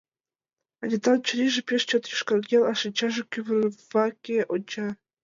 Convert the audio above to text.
Анитан чурийже пеш чот йошкарген, а шинчаже кӱварваке онча.